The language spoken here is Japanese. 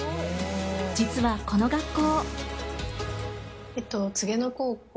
実はこの学校。